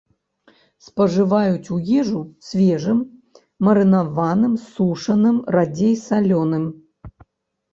Спажываюць у ежу свежым, марынаваным, сушаным, радзей салёным.